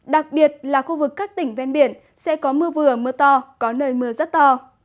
đặc biệt là khu vực các tỉnh ven biển sẽ có mưa vừa mưa to có nơi mưa rất to